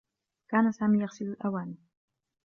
كان سامي يغسل الأواني.